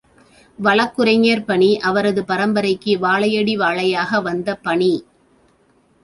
வழக்குரைஞர் பணி அவரது பரம்பரைக்கு வாழையடி வாழையாக வந்த பணி.